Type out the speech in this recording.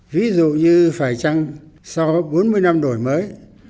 ví dụ như phải chăng sau bốn mươi năm đổi mới